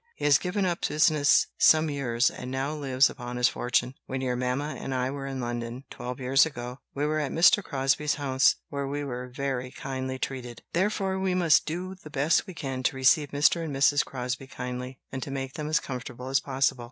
He has given up business some years, and now lives upon his fortune. When your mamma and I were in London, twelve years ago, we were at Mr. Crosbie's house, where we were very kindly treated; therefore we must do the best we can to receive Mr. and Mrs. Crosbie kindly, and to make them as comfortable as possible."